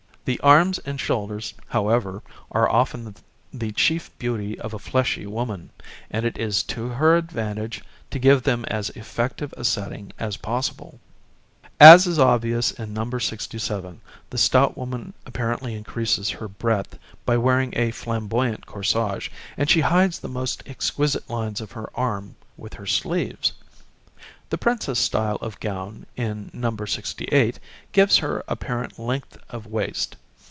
The arms and shoulders, however, are often the chief beauty of a fleshy woman, and it is to her advantage to give them as effective a setting as possible. [Illustration: NO. 68] [Illustration: NO. 67] As is obvious in No. 67, the stout woman apparently increases her breadth by wearing a flamboyant corsage, and she hides the most exquisite lines of her arm with her sleeves. The princesse style of gown, in No. 68, gives her apparent length of waist.